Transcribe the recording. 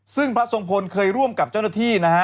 ซึ่งพระทรงพลเคยร่วมกับเจ้าหน้าที่นะฮะ